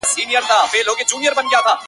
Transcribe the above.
o بزه له لېوه تښتېده، د قصاب کره ئې شپه سوه.